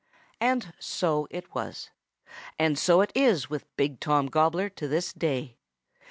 "And so it was. And so it is with Big Tom Gobbler to this day.